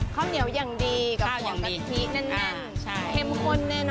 เข้าเหนียวยังดีกับหมวกกะทิแน่นเห็มคนแน่น